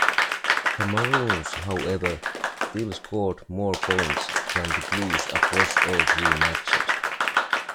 The Maroons, however, still scored more points than the Blues across all three matches.